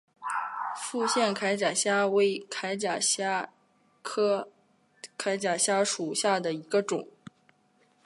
复线铠甲虾为铠甲虾科铠甲虾属下的一个种。